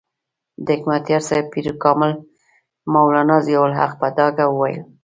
د حکمتیار صاحب پیر کامل مولانا ضیاء الحق په ډاګه وویل.